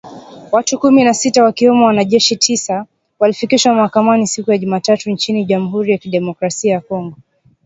Watu kumi na sita wakiwemo wanajeshi tisa walifikishwa mahakamani siku ya Jumatatu nchini Jamhuri ya Kidemokrasi ya Kongo.